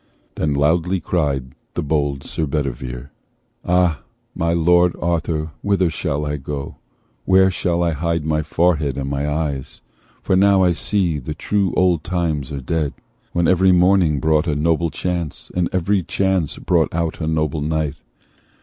Then loudly cried the bold Sir Bedivere: "Ah! my Lord Arthur, whither shall I go? Where shall I hide my forehead and my eyes? For now I see the true old times are dead, When every morning brought a noble chance, And every chance brought out a noble knight.